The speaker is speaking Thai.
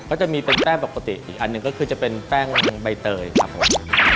ก็จะมีเป็นแป้งปกติอีกอันหนึ่งก็คือจะเป็นแป้งใบเตยครับผม